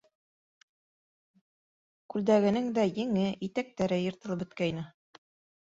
Күлдәгенең дә еңе, итәктәре йыртылып бөткәйне.